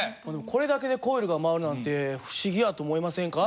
これだけでコイルが回るなんて不思議やと思いませんか？